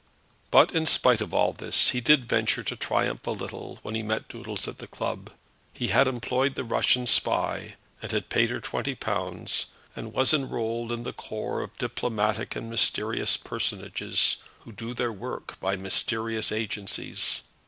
But, in spite of all this, he did venture to triumph a little when he met Doodles at the club. He had employed the Russian spy, and had paid her twenty pounds, and was enrolled in the corps of diplomatic and mysterious personages, who do their work by mysterious agencies.